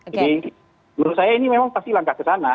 jadi menurut saya ini memang pasti langkah ke sana